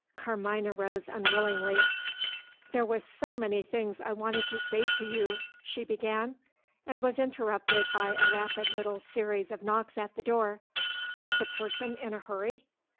Carmina rose unwillingly. "There were so many things I wanted to say to you," she began and was interrupted by a rapid little series of knocks at the door. Was the person in a hurry?